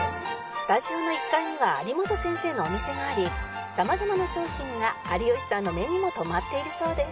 スタジオの１階には有元先生のお店があり様々な商品が有吉さんの目にも留まっているそうです